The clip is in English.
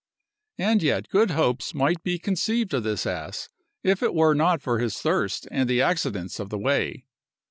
And yet good hopes might be conceived of this ass, if it were not for his thirst and the accidents of the way.